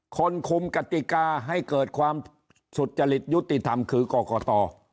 คนคุมกติกาให้เกิดความสุจริตยุติธรรมคือกรกต